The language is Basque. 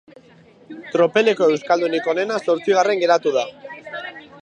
Tropeleko euskaldunik onena zortzigarren geratu da.